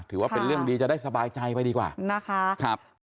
ถือว่าเป็นเรื่องดีจะได้สบายใจไปดีกว่านะคะ